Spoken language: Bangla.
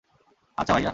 আচ্ছা, ভাইয়া।